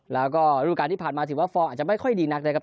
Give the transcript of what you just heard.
แล้วก็รูปการณ์ที่ผ่านมาถือว่าฟอร์มอาจจะไม่ค่อยดีนักนะครับ